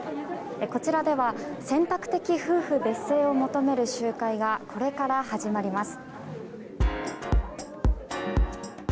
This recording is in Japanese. こちらでは選択的夫婦別姓を求める集会がこれから始まります。